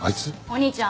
お兄ちゃん。